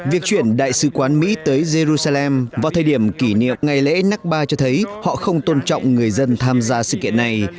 việc chuyển đại sứ quán mỹ tới jerusalem vào thời điểm kỷ niệm ngày lễ nác ba cho thấy họ không tôn trọng người dân tham gia sự kiện này